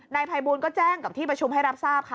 นายภัยบูลก็แจ้งกับที่ประชุมให้รับทราบค่ะ